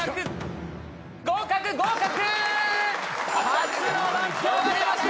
初の満票が出ました。